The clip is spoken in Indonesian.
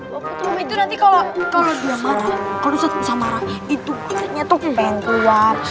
waktu itu nanti kalau dia marah kalau ustadz ustadz marah itu ustadznya tuh penggelap